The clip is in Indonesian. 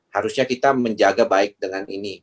harusnya kita menjaga baik dengan ini